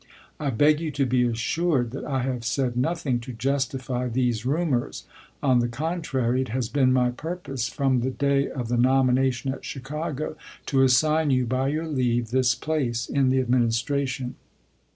I beg you to be assured that I have said nothing to justify these rumors. On the contrary, it has been my purpose, from the day of the nomination at Chicago, to assign you, by your leave, this place in the Administra tion.